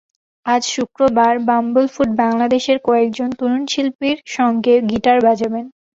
আজ শুক্রবার বাম্বলফুট বাংলাদেশের কয়েকজন তরুণ শিল্পীর সঙ্গে গিটার বাজাবেন।